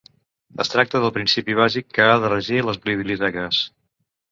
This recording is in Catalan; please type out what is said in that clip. Es tracta del principi bàsic que ha de regir les biblioteques.